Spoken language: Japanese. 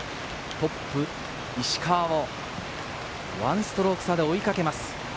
トップ・石川を１ストローク差で追いかけます。